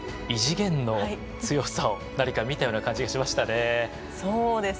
異次元の強さを見たような感じがしましたね。